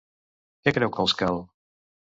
Què creu que els cal?